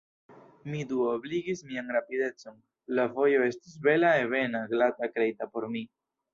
Mi duobligis mian rapidecon: la vojo estis bela, ebena, glata, kreita por mi.